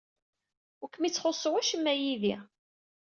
Ur kem-ittxuṣṣu wacemma yid-i.